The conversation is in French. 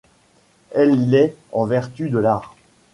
Elle l’est en vertu de l’art.